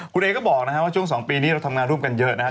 คุณเอก็บอกนะครับว่าช่วง๒ปีนี้เราทำงานร่วมกันเยอะนะครับ